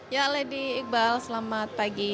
ya lady iqbal selamat pagi